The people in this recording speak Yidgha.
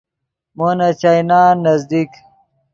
مو نے چائینان نزدیک